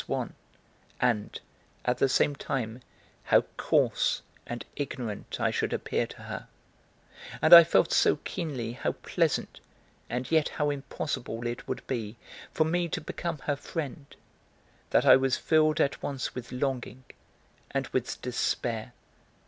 Swann, and, at the same time, how coarse and ignorant I should appear to her; and I felt so keenly how pleasant and yet how impossible it would be for me to become her friend that I was filled at once with longing and with despair.